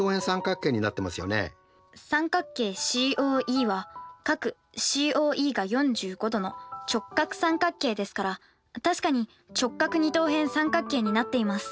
ＣＯＥは角ＣＯＥが４５°の直角三角形ですから確かに直角二等辺三角形になっています。